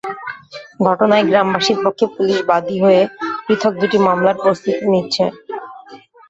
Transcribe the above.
ঘটনায় গ্রামবাসীর পক্ষে পুলিশ বাদী হয়ে পৃথক দুটি মামলার প্রস্তুতি নিচ্ছে।